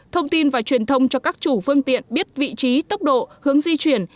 thông tin và truyền thông cho các chủ phương tiện biết vị trí tốc độ hướng di chuyển